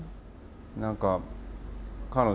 何か彼女